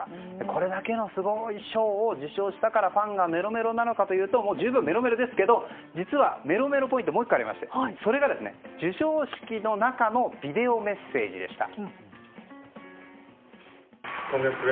これだけのすごい賞を受賞したからファンがメロメロなのかというと十分メロメロですけど実はメロメロポイントもう１個ありましてそれが、授賞式の中のビデオメッセージでした。